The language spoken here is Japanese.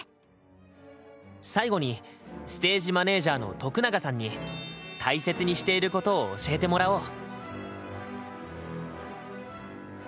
最後にステージマネージャーの徳永さんに大切にしていることを教えてもらおう。